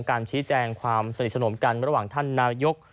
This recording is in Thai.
การชี้แจงความสนิทสนมกันระหว่างท่านนายก